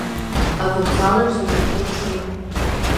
Авокзалаҿ зегьы ргәы рҽанын.